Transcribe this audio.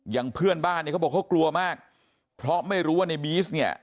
อย่างเพื่อนบ้านเนี่ยเขาบอกเขากลัวมากเพราะไม่รู้ว่าในบีซเนี่ย